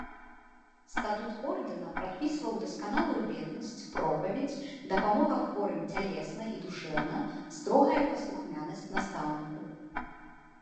Статут ордэна прадпісваў дасканалую беднасць, пропаведзь, дапамога хворым цялесна і душэўна, строгае паслухмянасць настаўніку.